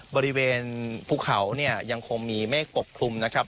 บริเวณภูเขายังคงมีเมฆปกพุมนะครับ